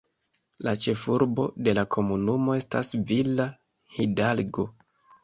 La ĉefurbo de la komunumo estas Villa Hidalgo.